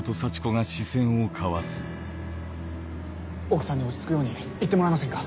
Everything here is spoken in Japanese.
奥さんに落ち着くように言ってもらえませんか？